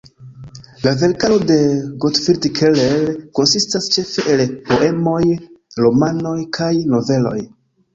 La verkaro de Gottfried Keller konsistas ĉefe el poemoj, romanoj kaj noveloj.